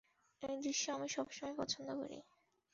এই দৃশ্য আমি সবসময় পছন্দ করি।